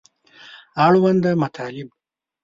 اړونده مطالب